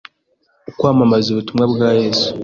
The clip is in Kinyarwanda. ukwamamaza Ubutumwa bwa Yesu